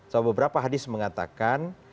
soal beberapa hadis mengatakan